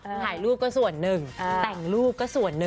ถ่ายรูปก็ส่วนหนึ่งแต่งรูปก็ส่วนหนึ่ง